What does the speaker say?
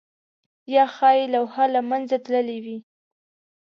یا ښايي لوحه له منځه تللې وي؟